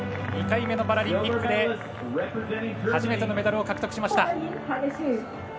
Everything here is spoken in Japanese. ２回目のパラリンピックで初めてのメダルを獲得。